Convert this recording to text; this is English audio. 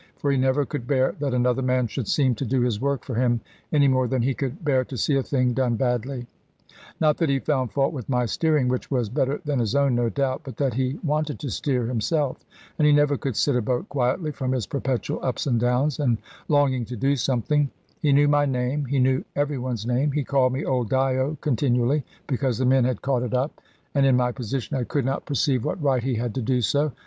For he never could bear that another man should seem to do his work for him, any more than he could bear to see a thing done badly. Not that he found fault with my steering (which was better than his own, no doubt), but that he wanted to steer himself. And he never could sit a boat quietly, from his perpetual ups and downs, and longing to do something. He knew my name; he knew every one's name; he called me "old Dyo," continually, because the men had caught it up; and in my position, I could not perceive what right he had to do so.